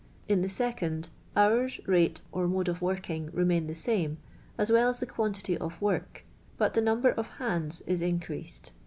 In the second, hours, rate, or mode of working remain the same, as well as the quantity of work, but the number of hands it increased.